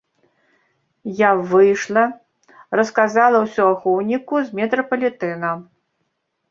Я выйшла, расказала ўсё ахоўніку з метрапалітэна.